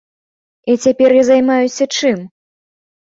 І цяпер я займаюся чым?